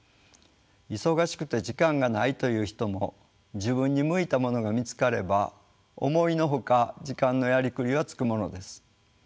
忙しくて時間がないという人も自分に向いたものが見つかれば思いの外時間のやりくりはつくものです。